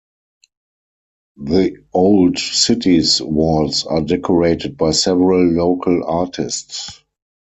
The Old City's walls are decorated by several local artists.